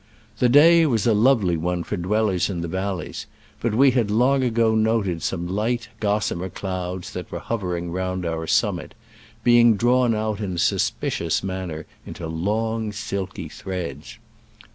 The day was a lovely one for dwellers in the valleys, but we had long ago noted some light, gossamer clouds that were hovering round our summit, being drawn out in a suspicious manner into long, silky threads.